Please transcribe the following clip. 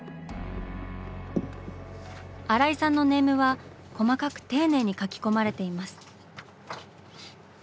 新井さんのネームは細かく丁寧に描き込まれています。